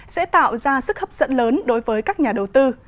sẽ tạo ra sức hấp dẫn lớn đối với các nhà đầu tư